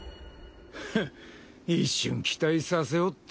フンッ一瞬期待させおって。